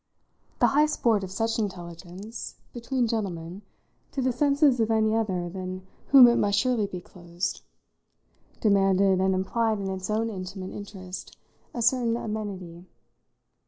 The high sport of such intelligence between gentlemen, to the senses of any other than whom it must surely be closed demanded and implied in its own intimate interest a certain amenity.